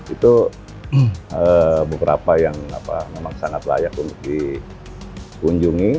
itu beberapa yang memang sangat layak untuk dikunjungi